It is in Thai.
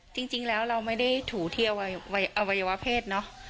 จริงแล้วเราไม่ได้ถูที่อวัยวะเพศเนอะ